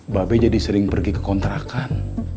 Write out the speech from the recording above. babe jadi sering pergi ke kontrakan